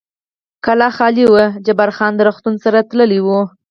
کلا خالي وه، جبار خان د روغتون سره تللی و.